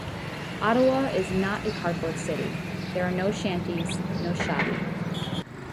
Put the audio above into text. Ottawa is not a cardboard city; there are no shanties, no shoddy.